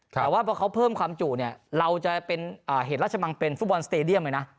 แต่ว่าพอเขาเพิ่มความจุเนี่ยเราจะเป็นเหตุราชมังเป็นฟุตบอลสเตดียมเลยนะ